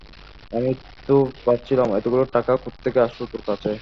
আমিও তো ভাবছিলাম, এতগুলো টাকা কোত্থেকে আসলো তোর কাছে?